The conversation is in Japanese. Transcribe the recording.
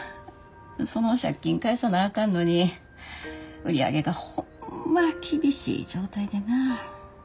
その借金返さなあかんのに売り上げがホンマ厳しい状態でな。